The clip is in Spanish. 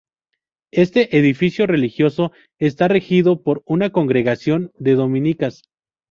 Este edificio religioso está regido por una congregación de dominicas.